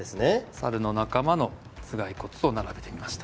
サルの仲間の頭蓋骨を並べてみました。